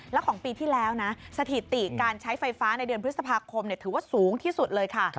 แล้วของปีที่แล้วนะสถิติการใช้ไฟฟ้าในเดือนพฤษภาคมถือว่าสูงที่สุดเลยค่ะ